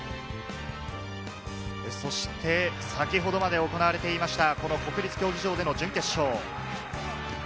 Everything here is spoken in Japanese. そして先ほどまで行われていました、国立競技場での準決勝。